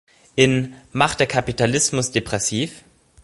In "Macht der Kapitalismus depressiv?